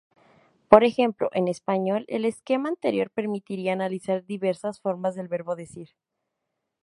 Por ejemplo, en español el esquema anterior permitiría analizar diversas formas del verbo "decir".